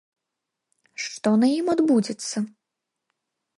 Што на ім адбудзецца?